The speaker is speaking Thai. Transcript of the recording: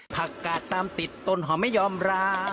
กาดตามติดตนหอมไม่ยอมรับ